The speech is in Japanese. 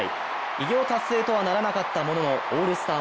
偉業達成とはならなかったもののオールスター